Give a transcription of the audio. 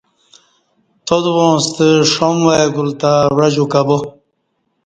تادواں ستہ ݜم وای گول تں وعجو کہ با